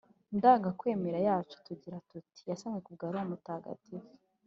ndangakwemera yacu tugira tuti: “yasamwe ku bwa roho mutagatifu